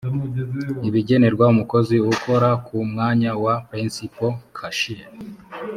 ibigenerwa umukozi ukora ku mwanya wa principal cashier